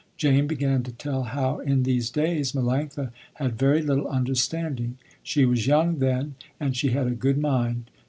Jane began to tell how in these days Melanctha had very little understanding. She was young then and she had a good mind.